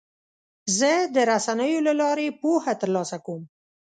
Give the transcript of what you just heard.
زه د رسنیو له لارې پوهه ترلاسه کوم.